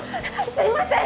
すいません。